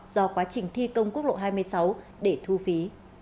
do quá trình thi công quốc lộ hai mươi sáu để thu phí